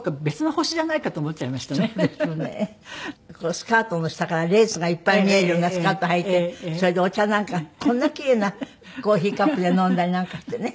スカートの下からレースがいっぱい見えるようなスカートはいてそれでお茶なんかこんな奇麗なコーヒーカップで飲んだりなんかしてね。